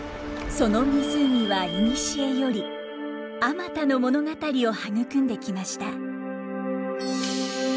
その湖はいにしえよりあまたの物語を育んできました。